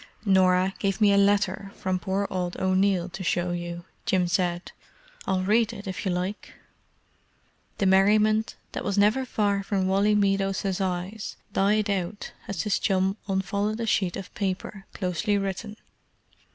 "Norah gave me a letter from poor old O'Neill to show you," Jim said. "I'll read it, if you like." The merriment that was never very far from Wally Meadows' eyes died out as his chum unfolded a sheet of paper, closely written.